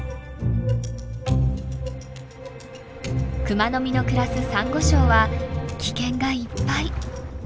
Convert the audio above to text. クマノミの暮らすサンゴ礁は危険がいっぱい。